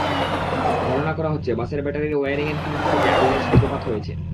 ধারণা করা হচ্ছে, বাসের ব্যাটারির ওয়্যারিংয়ের ত্রুটি থেকে আগুনের সূত্রপাত হয়েছে।